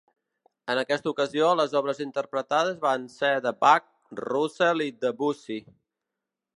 En aquesta ocasió les obres interpretades van ser de Bach, Roussel i Debussy.